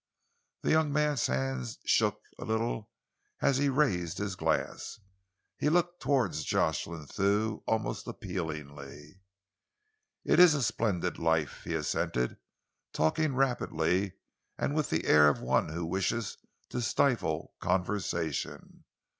The young man's hand shook a little as he raised his glass. He looked towards Jocelyn Thew almost appealingly. "It's a splendid life," he assented, talking rapidly and with the air of one who wishes to stifle conversation.